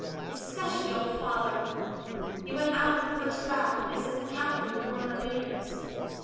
Especially Old Father (he went out with the first draft, and he's a Captain in the Royal Engineers").